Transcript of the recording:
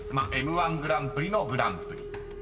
［Ｍ−１グランプリのグランプリ］